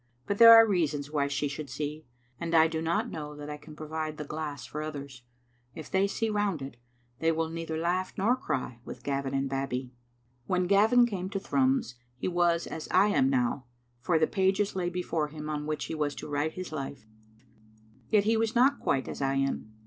But there are reasons why she should see ; and I do not know that I can provide the glass for others. If they see round it, they will neither laugh nor cry with Gavin and Babbie. When Gavin came to Thrums he was as I am now, for the pages lay before him on which he was to write Digitized by VjOOQ IC 4 TTbe I^tttie asinxaicv. his life. Yet he was not quite as I am.